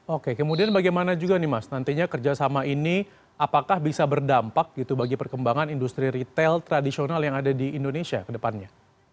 oke kemudian bagaimana juga nih mas nantinya kerjasama ini apakah bisa berdampak gitu bagi perkembangan industri retail tradisional yang ada di indonesia ke depannya